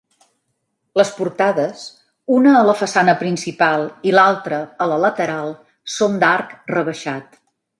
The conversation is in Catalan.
Les portades, una a la façana principal i l'altra a la lateral, són d'arc rebaixat.